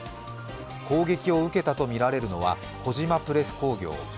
攻撃を受けたとみられるのは小島プレス工業。